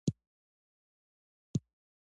نور به موږ ته هیواد جوړ نکړي